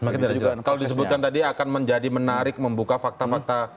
kalau disebutkan tadi akan menjadi menarik membuka fakta fakta